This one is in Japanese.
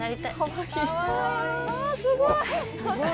あすごい！